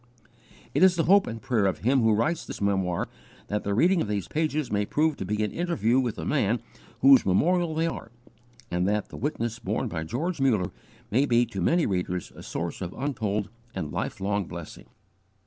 It is the hope and the prayer of him who writes this memoir that the reading of these pages may prove to be an interview with the man whose memorial they are, and that the witness borne by George Muller may be to many readers a source of untold and lifelong blessing.